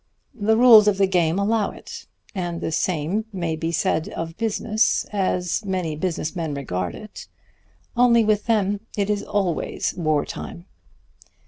The rules of the game allow it; and the same may be said of business as many business men regard it. Only with them it is always war time."